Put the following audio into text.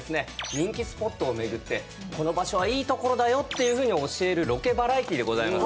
人気スポットを巡ってこの場所はいい所だよっていうふうに教えるロケバラエティでございます。